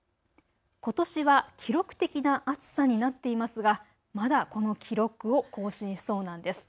ことしは記録的な暑さになっていますが、まだこの記録を更新しそうなんです。